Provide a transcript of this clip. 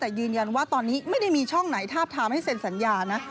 แต่ยืนยันว่าตอนนี้ไม่ได้มีช่องไหนทาบทามให้เซ็นสัญญานะ